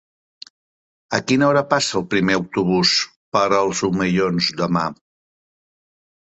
A quina hora passa el primer autobús per els Omellons demà?